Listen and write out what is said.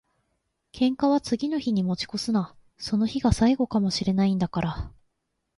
喧嘩は次の日に持ち越すな。その日が最後かも知れないんだから。